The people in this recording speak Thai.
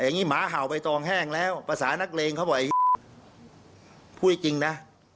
อย่างนี้หมาเห่าใบตองแห้งแล้วภาษานักเลงเขาบอกพูดจริงนะ